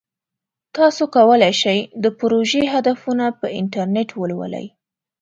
تاسو کولی شئ د پروژې هدفونه په انټرنیټ ولولئ.